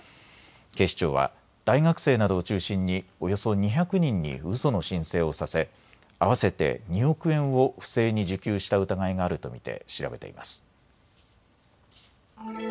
警視庁は大学生などを中心におよそ２００人にうその申請をさせ合わせて２億円を不正に受給した疑いがあると見て調べています。